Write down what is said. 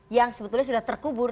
yang sebetulnya sudah terkubur